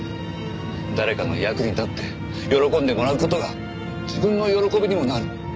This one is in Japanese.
誰かの役に立って喜んでもらう事が自分の喜びにもなる。